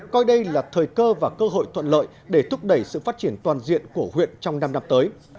coi đây là thời cơ và cơ hội thuận lợi để thúc đẩy sự phát triển toàn diện của huyện trong năm năm tới